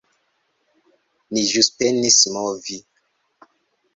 Ni ĵus penis movi